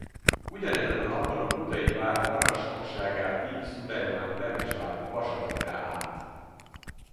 Ugyanezen a napon a budai vár parancsnokságát Dív Szulejmán temesvári pasa vette át.